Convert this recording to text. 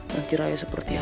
nanti raya seperti apa